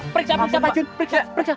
periksa periksa periksa